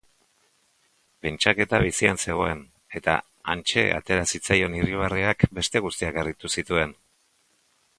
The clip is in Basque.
Pentsaketa bizian zegoen eta hantxe atera zitzaion irribarreak beste guziak harritu zituen.